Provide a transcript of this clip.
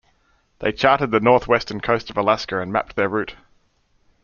They charted the north-western coast of Alaska and mapped their route.